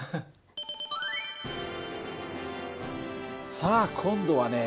さあ今度はね